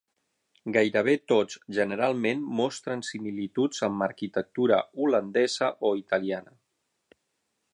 Gairebé tots generalment mostren similituds amb arquitectura holandesa o italiana.